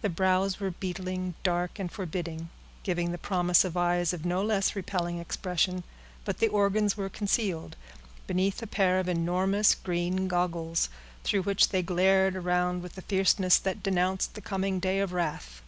The brows were beetling, dark, and forbidding, giving the promise of eyes of no less repelling expression; but the organs were concealed beneath a pair of enormous green goggles, through which they glared around with a fierceness that denounced the coming day of wrath.